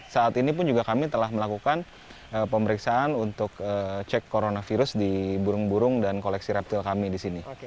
saat ini pun juga kami telah melakukan pemeriksaan untuk cek coronavirus di burung burung dan koleksi reptil kami di sini